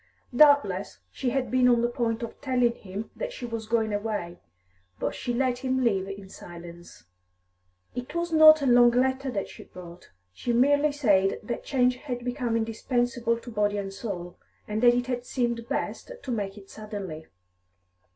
Doubtless she had been on the point of telling him that she was going away; but she let him leave in silence. It was not a long letter that she wrote; she merely said that change had become indispensable to body and soul, and that it had seemed best to make it suddenly.